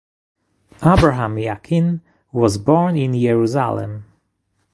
Abraham Yakin was born in Jerusalem.